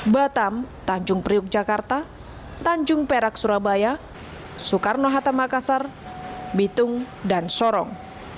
batam tanjung priuk jakarta tanjung perak surabaya soekarno hatta makassar bitung dan sorong